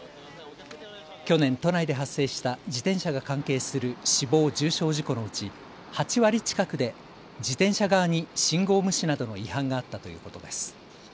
去年、都内で発生した自転車が関係する死亡・重傷事故のうち８割近くで自転車側に信号無視などの違反があったということです。